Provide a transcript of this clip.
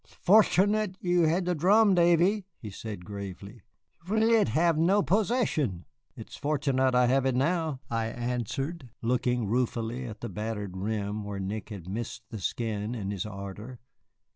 "'Sfortunate you had the drum, Davy," he said gravely, "'rwe'd had no procession." "It is fortunate I have it now," I answered, looking ruefully at the battered rim where Nick had missed the skin in his ardor.